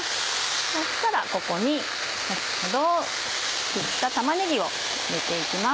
そしたらここに先ほど切った玉ねぎを入れて行きます。